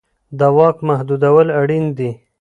د واک محدودول اړین دي